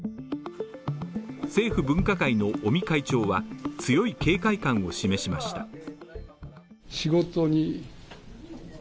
政府分科会の尾身会長は強い警戒感を示しました。